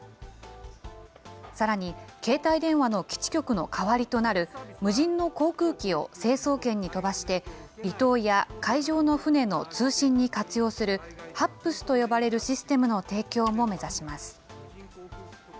さらに、携帯電話の基地局の代わりとなる無人の航空機を成層圏に飛ばして、離島や海上の船の通信に活用する、ＨＡＰＳと呼ばれるシステムの提供も目指します。